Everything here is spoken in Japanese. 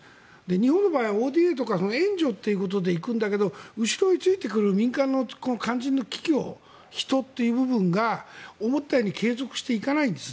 日本の場合はＯＤＡとか援助ということで行くんだけど後ろについてくる民間の肝心の企業、人という部分が思ったように継続していかないんです。